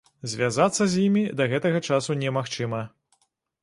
Звязацца з імі да гэтага часу немагчыма.